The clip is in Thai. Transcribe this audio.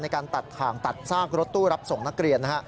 ในการตัดถ่างตัดซากรถตู้รับส่งนักเรียนนะฮะ